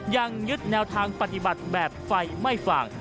ยังยึดแนวทางปฏิบัติแบบไฟไม่ฟาง